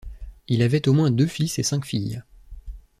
Il avait au moins deux fils et cinq filles.